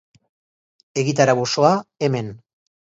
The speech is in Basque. Egitarau osoa, hemen.